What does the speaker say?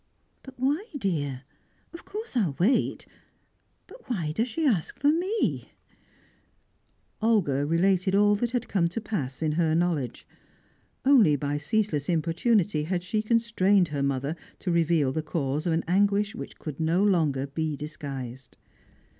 "But why, dear? Of course I will wait; but why does she ask for me?" Olga related all that had come to pass, in her knowledge. Only by ceaseless importunity had she constrained her mother to reveal the cause of an anguish which could no longer be disguised.